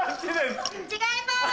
違います！